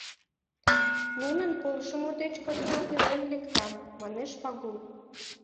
Нунын полшымо деч поснат илен лектам, — манеш Пагул.